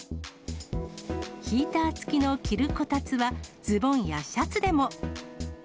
ヒーター付きの着るこたつはズボンやシャツでも。